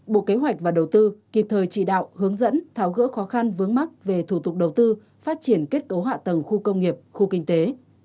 bộ kế hoạch và đầu tư kịp thời chỉ đạo hướng dẫn tháo gỡ khó khăn vướng mắt về thủ tục đầu tư phát triển kết cấu hạ tầng khu công nghiệp khu kinh tế